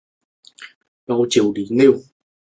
总参谋部发出新的坦克规格来包括此系列坦克。